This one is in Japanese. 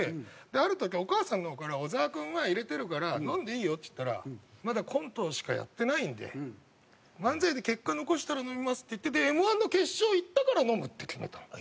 ある時お母さんの方から「小沢君が入れてるから飲んでいいよ」って言ったら「まだコントしかやってないので漫才で結果残したら飲みます」って言ってＭ−１の決勝いったから飲むって決めたの。